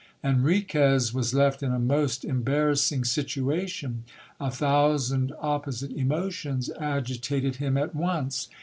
Enriquez was left in a most embarrassing situation. A thousand opposite emotions agitated him at once.